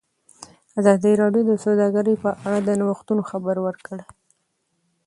ازادي راډیو د سوداګري په اړه د نوښتونو خبر ورکړی.